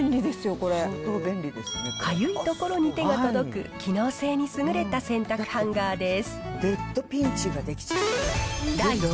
かゆい所に手が届く機能性に優れた洗濯ハンガーです。